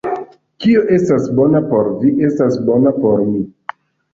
Kio estas bona por vi, estas bona por mi.